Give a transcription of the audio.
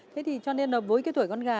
thế thì cho nên là với cái tuổi con gà